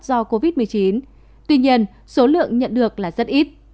do covid một mươi chín tuy nhiên số lượng nhận được là rất ít